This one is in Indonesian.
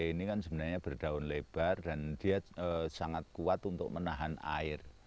ini kan sebenarnya berdaun lebar dan dia sangat kuat untuk menahan air